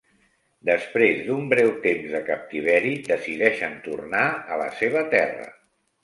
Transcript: Després d'un breu temps de captiveri decideixen tornar a la seva terra.